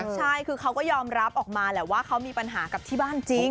ใช่คือเขาก็ยอมรับออกมาแหละว่าเขามีปัญหากับที่บ้านจริง